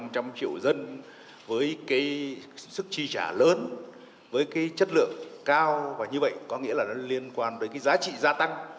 năm trăm linh triệu dân với sức chi trả lớn với chất lượng cao và như vậy có nghĩa là liên quan đến giá trị gia tăng